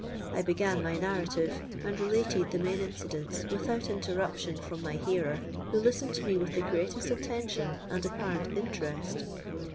I began my narrative, and related the main incidents, without interruption from my hearer, who listened to me with the greatest attention and apparent interest.